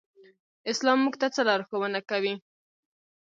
اسلام موږ ته څه لارښوونه کوي؟